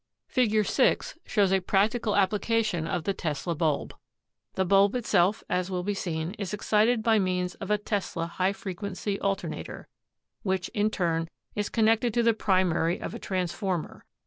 Fig. 6 shows a practical application of the Tesla bulb. The bulb itself, as will be seen, is excited by means of a Tesla high fre quency alternator which, in turn, is con nected to the primary of a transformer.